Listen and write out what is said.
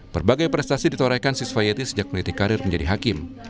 perbagai prestasi ditorekan sisva yeti sejak menitik karir menjadi hakim